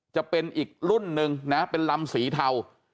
จะเป็นอีกรุ่นหนึ่งนะเป็นลำสีเทา